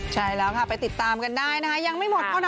ใช่แล้วค่ะไปติดตามกันได้ยังไม่หมดเพราะนั้นค่ะ